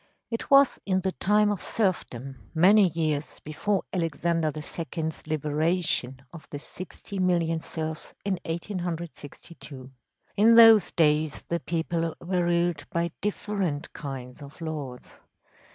It was in the time of serfdom‚ÄĒmany years before Alexander II.’s liberation of the sixty million serfs in 1862. In those days the people were ruled by different kinds of lords.